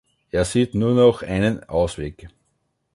Er sieht nur noch einen Ausweg.